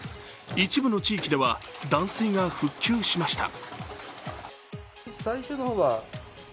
一部の地域では断水が復旧しました。